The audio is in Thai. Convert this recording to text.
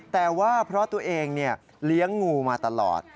แต่ว่าเพราะตัวเองเลี้ยงงูมาตลอด